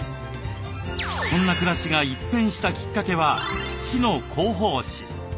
そんな暮らしが一変したきっかけは市の広報誌。